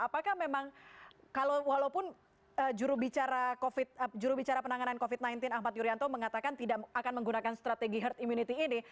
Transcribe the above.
apakah memang walaupun jurubicara penanganan covid sembilan belas ahmad yuryanto mengatakan tidak akan menggunakan strategi herd immunity ini